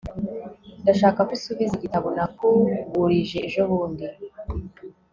ndashaka ko usubiza igitabo nakugurije ejobundi